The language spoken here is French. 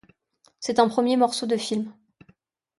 C'est un premier morceau de film.